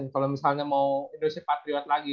kalau misalnya mau indonesia patriots lagi